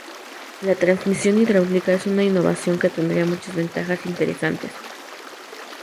La transmisión hidráulica es una innovación que tendría muchas ventajas interesantes.